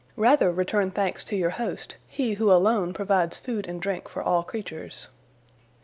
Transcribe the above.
Rather return thanks to your host, He who alone provides food and drink for all creatures."